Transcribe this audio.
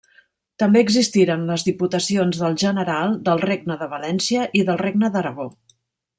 També existiren les Diputacions del General del Regne de València i del Regne d'Aragó.